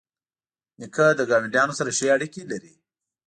نیکه له ګاونډیانو سره ښې اړیکې لري.